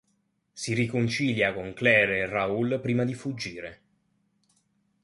Si riconcilia con Claire e Raoul prima di fuggire.